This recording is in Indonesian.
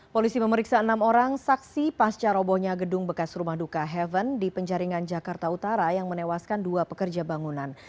polisi memeriksa enam orang saksi pasca robohnya gedung bekas rumah duka heaven di penjaringan jakarta utara yang menewaskan dua pekerja bangunan